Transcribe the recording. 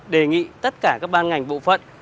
đề nghị tất cả các ban ngành bộ phận